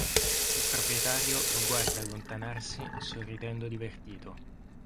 Il proprietario lo guarda allontanarsi sorridendo divertito.